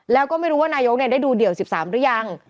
แล้วก็ไม่รู้ว่านายกได้ดูเดี่ยว๑๓หรือยัง